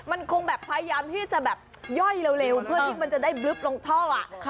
มันคงแบบพยายามที่จะแบบย่อยเร็วเพื่อที่มันจะได้บลึบลงท่อ